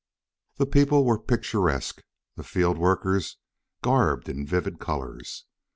The people were picturesque, the field workers garbed in vivid colors.